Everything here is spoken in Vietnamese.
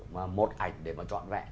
một ảnh để mà trọn vẹn